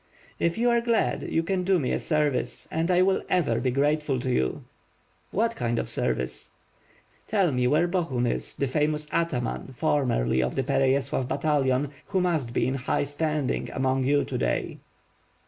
*T[f you are glad, you can do me a service; and I will ever be grateful to you." "What kind of service?" "Tell me where Bohun is, the famous ataman, formerly of the Pereyaslav battalion, who must be in high standing among you to day."